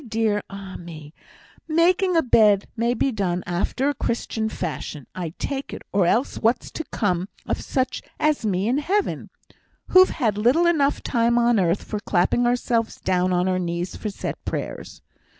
dear ah me, making a bed may be done after a Christian fashion, I take it, or else what's to come of such as me in heaven, who've had little enough time on earth for clapping ourselves down on our knees for set prayers?